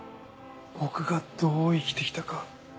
僕がどう生きて来たか